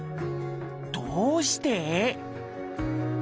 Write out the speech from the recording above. どうして？